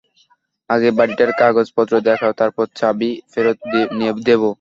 আগে বাড়িটার কাগজ পত্র দেখাও, তারপর চাবি ফেরত দেব।